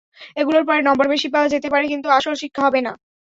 এগুলো পড়ে নম্বর বেশি পাওয়া যেতে পারে, কিন্তু আসল শিক্ষা হবে না।